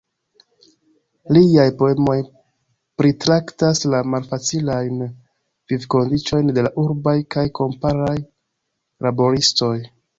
Liaj poemoj pritraktas la malfacilajn vivkondiĉojn de la urbaj kaj kamparaj laboristoj.